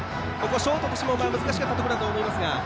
ショートとしても難しかったところだと思いますが。